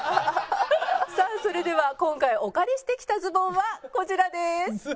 さあそれでは今回お借りしてきたズボンはこちらです。